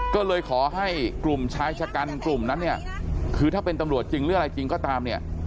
ก็เลยขอให้กลุ่มชายชะกันกลุ่มนั้นเนี่ยคือถ้าเป็นตำรวจจริงหรืออะไรจริงก็ตามเนี่ย